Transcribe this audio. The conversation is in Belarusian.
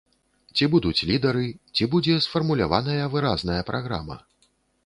Ці будуць лідары, ці будзе сфармуляваная выразная праграма.